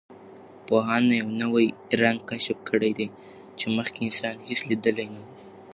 پوهانو یوه نوی رنګ کشف کړی دی چې مخکې انسان هېڅ لیدلی نه و.